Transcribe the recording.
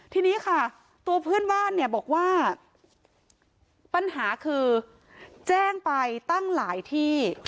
ทีนี้ค่ะตัวเพื่อนบ้านเนี่ยบอกว่าปัญหาคือแจ้งไปตั้งหลายที่